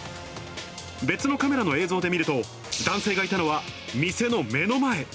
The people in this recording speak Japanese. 別のカメラの映像で見ると、男性がいたのは店の目の前。